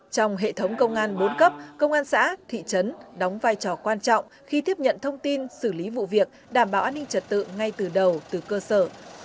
trong hệ thống công an bốn cấp công an xã thị trấn đóng vai trò quan trọng khi tiếp nhận thông tin xử lý vụ việc đảm bảo an ninh trật tự ngay từ đầu từ cơ sở